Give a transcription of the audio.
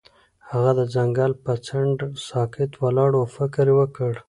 هغه د ځنګل پر څنډه ساکت ولاړ او فکر وکړ.